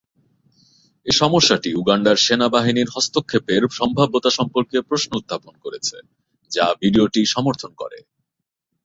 এই সমস্যাটি উগান্ডার সেনাবাহিনীর হস্তক্ষেপের সম্ভাব্যতা সম্পর্কে প্রশ্ন উত্থাপন করেছে, যা ভিডিওটি সমর্থন করে।